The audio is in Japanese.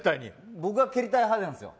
僕は蹴りたい派なんですよ。